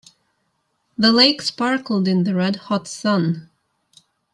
The lake sparkled in the red hot sun.